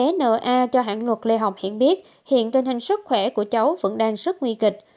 bác cháu bé nợ a cho hãng luật lê hồng hiển biết hiện tình hình sức khỏe của cháu vẫn đang rất nguy kịch